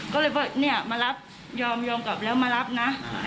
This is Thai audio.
ก็เลยว่าเนี่ยมารับยอมกลับแล้วมารับนะ